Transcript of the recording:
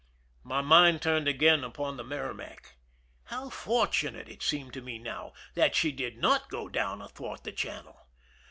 My mind turned again upon the Merrimac. How fortunate, it seemed to me now, that she did not go down athwart the channel!